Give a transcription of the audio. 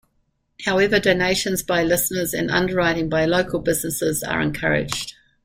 However donations by listeners and underwriting by local businesses are encouraged.